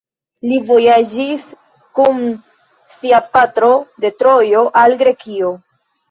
Li vojaĝis kun sia patro de Trojo al Grekio.